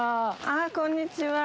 ああこんにちは。